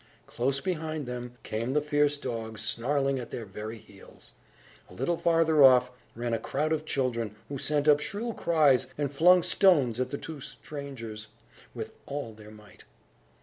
Close behind them came the fierce dogs, snarling at their very heels. A little farther off, ran a crowd of children, who sent up shrill cries, and flung stones at the two strangers, with all their might.